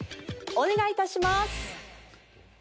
お願い致します。